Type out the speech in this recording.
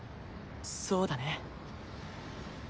そうだね。